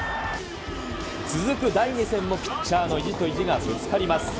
続く第２戦もピッチャーの意地と意地がぶつかります。